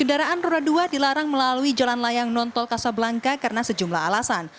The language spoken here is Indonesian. kendaraan roda dua dilarang melalui jalan layang nontol kasablangka karena sejumlah alasan